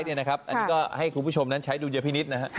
อันนี้ก็ให้คุณผู้ชมนั้นใช้ดุลยพินิษฐ์นะฮะ